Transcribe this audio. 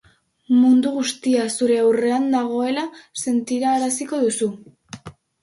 Mundu guztia zure aurrean dagoela sentiaraziko dizu.